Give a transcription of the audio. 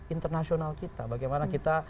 internasional kita bagaimana kita